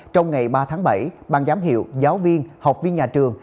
trong ngày ba tháng bảy ban giám hiệu giáo viên học viên nhà trường